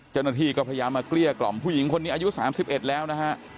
เจ้าหน้าที่ก็พยายามมาเกลี้ยกล่อมผู้หญิงคนนี้อายุ๓๑แล้วนะฮะ